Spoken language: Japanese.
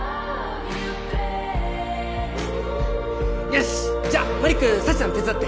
よしじゃあマリック佐知さん手伝って。